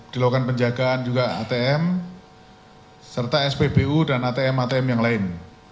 dilakukan penjagaan juga atm serta spbu dan atm atm yang lain